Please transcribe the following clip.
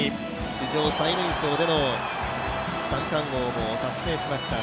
史上最年少での三冠王も達成しました。